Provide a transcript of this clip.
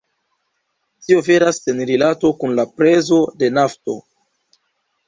Tio veras sen rilato kun la prezo de nafto.